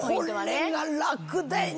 これが楽でね！